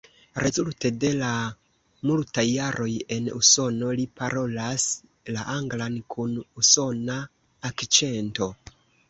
Rezulte de la multaj jaroj en Usono, li parolas la anglan kun usona akĉento.